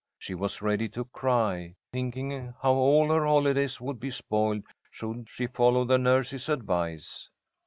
She was ready to cry, thinking how all her holidays would be spoiled should she follow the nurse's advice.